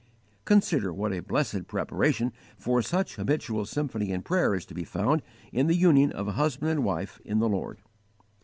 Consider what a blessed preparation for such habitual symphony in prayer is to be found in the union of a husband and wife in the Lord!